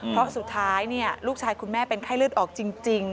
เพราะสุดท้ายลูกชายคุณแม่เป็นไข้เลือดออกจริง